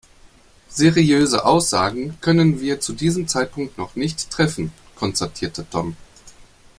Seriöse Aussagen können wir zu diesem Zeitpunkt noch nicht treffen, konstatierte Tom.